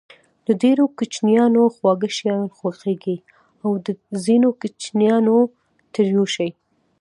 د ډېرو کوچنيانو خواږه شيان خوښېږي او د ځينو کوچنيانو تريؤ شی.